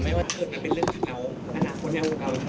ไม่ว่าเกิดมันเป็นเรื่องของเราของคนแนวของเรา